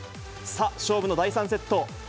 さあ、勝負の第３セット。